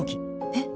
えっ！